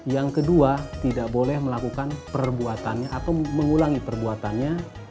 yang kedua tidak boleh melakukan perbuatannya atau mengulangi perbuatannya